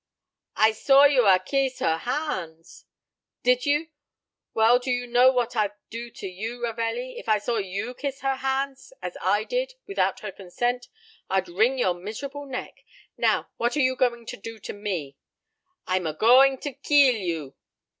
"I saw you a kiss her hands." "Did you? Well, do you know what I'd do to you, Ravelli, if I saw you kiss her hands as I did without her consent? I'd wring your miserable neck. Now, what are you going to do to me?" "I am a going to keel you!"